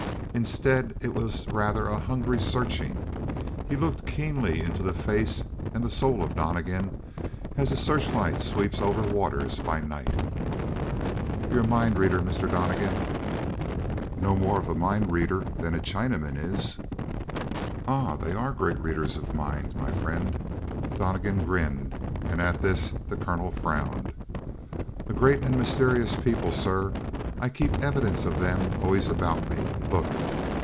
Instead, it was rather a hungry searching. He looked keenly into the face and the soul of Donnegan as a searchlight sweeps over waters by night. "You are a mind reader, Mr. Donnegan." "No more of a mind reader than a Chinaman is." "Ah, they are great readers of mind, my friend." Donnegan grinned, and at this the colonel frowned. "A great and mysterious people, sir. I keep evidences of them always about me. Look!"